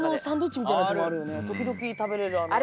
時々食べれる。